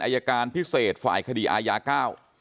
อัยการพิเศษฝ่ายคดีอายา๙